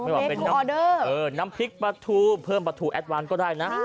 ไม่ว่าเป็นน้ำพริกปลาทูเพิ่มปลาทูแอดวานด์ก็ได้นะ